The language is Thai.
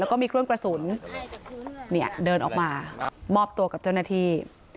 แล้วก็มีเครื่องกระสุนเนี่ยเดินออกมามอบตัวกับเจ้าหน้าที่